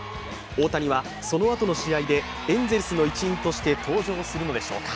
大谷はそのあとの試合でエンゼルスの一員として登場するのでしょうか。